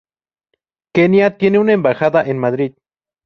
Kenia tiene una embajada en Madrid.